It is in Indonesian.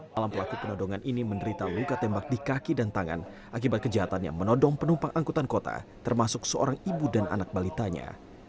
malam pelaku penodongan ini menderita luka tembak di kaki dan tangan akibat kejahatan yang menodong penumpang angkutan kota termasuk seorang ibu dan anak balitanya